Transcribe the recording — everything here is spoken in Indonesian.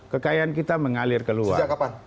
kekayaan kita mengalir ke luar